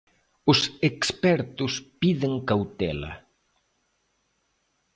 Os expertos piden cautela.